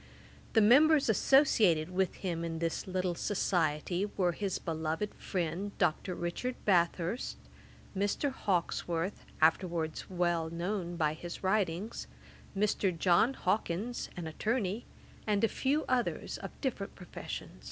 The members associated with him in this little society were his beloved friend Dr. Richard Bathurst, Mr. Hawkesworth, afterwards well known by his writings, Mr. John Hawkins, an attorney, and a few others of different professions.